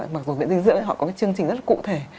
mặc dù viện dinh dưỡng họ có cái chương trình rất là cụ thể